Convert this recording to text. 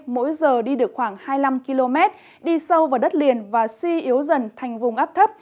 mỗi giờ đi được khoảng hai mươi năm km đi sâu vào đất liền và suy yếu dần thành vùng áp thấp